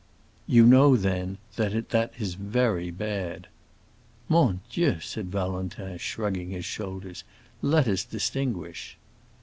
"You know, then, that that is very bad." "Mon Dieu," said Valentin, shrugging his shoulders "let us distinguish."